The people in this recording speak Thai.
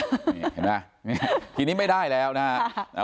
เห็นมั้ยทีนี้ไม่ได้แล้วนะฮะ